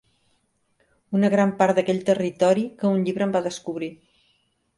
Una gran part d'aquell territori que un llibre em va descobrir.